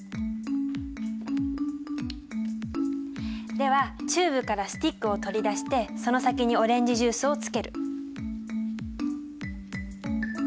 ではチューブからスティックを取り出してその先にオレンジジュースをつける。